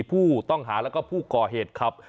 ผู้ต้องหาแล้วก็ผู้ก่อเหตุขับ